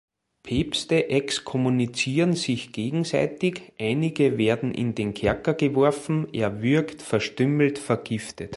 Päpste exkommunizieren sich gegenseitig, einige werden in den Kerker geworfen, erwürgt, verstümmelt, vergiftet.